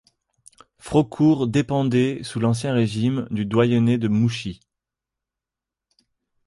Frocourt dépendait sous l'Ancien Régime du doyenné de Mouchy.